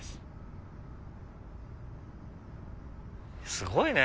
すごいね！